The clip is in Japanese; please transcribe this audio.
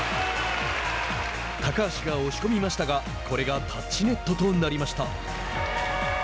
高橋が押し込みましたがこれがタッチネットとなりました。